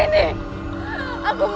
lepaskan aku dari sini